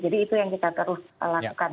jadi itu yang kita terus lakukan